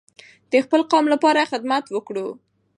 د خپل قام لپاره خدمت وکړو.